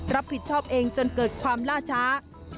รับผิดชอบเองจนเกิดความล่าช้า